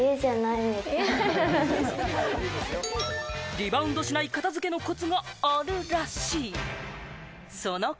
リバウンドしない片付けのコツがあるらしい！